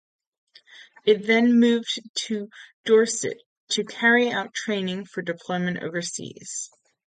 It then moved to Dorset to carry out training for deployment overseas.